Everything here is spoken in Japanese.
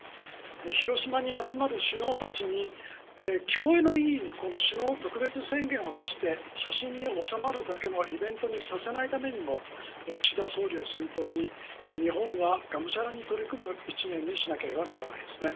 広島に集まる首脳たちに聞こえのいい首脳特別宣言を出して写真におさまるだけのイベントにさせないためにも岸田総理を先頭に日本はがむしゃらに取り組む１年にしなければなりません。